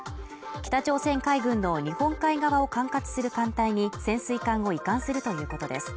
北朝鮮海軍の日本海側を管轄する艦隊に潜水艦を移管するということです